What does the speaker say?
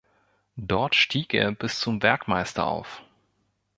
Dort stieg er bis zum Werkmeister auf.